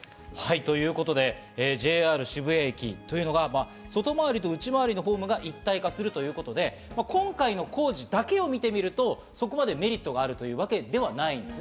ＪＲ渋谷駅というのが外回りと内回りのホームが一体化するということで、今回の工事だけを見てみると、そこまでメリットがあるというわけではないんですね。